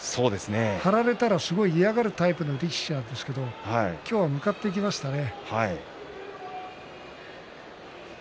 張られたらすごく嫌がるタイプの力士なんですけど今日は向かっていきましたね。